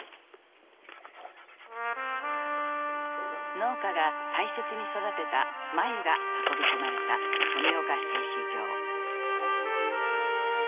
農家が大切に育てた繭が運び込まれた富岡製糸場。